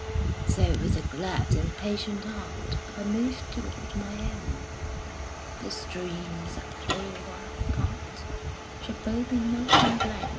So with a glad and patient heart I move toward mine end: The streams, that flow awhile apart, Shall both in ocean blend.